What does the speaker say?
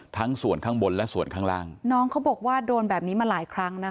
ทั้งส่วนข้างบนและส่วนข้างล่างน้องเขาบอกว่าโดนแบบนี้มาหลายครั้งนะคะ